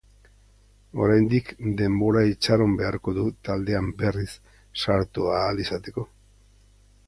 Oraindik denbora itxaron beharko du taldean berriz sartu ahal izateko.